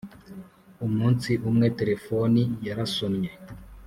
Umunsi umwe telefoni yarasonnye